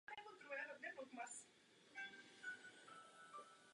Jediné, co existuje, je solidarita s lidmi v nouzi.